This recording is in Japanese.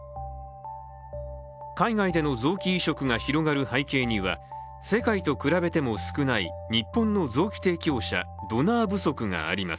海外での臓器移植が広がる背景には世界と比べても少ない日本の臓器提供者、ドナー不足があります。